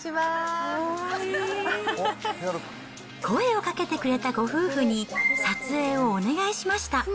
声をかけてくれたご夫婦に、撮影をお願いしました。